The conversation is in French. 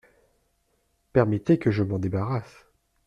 Permettez que je m’en débarrasse.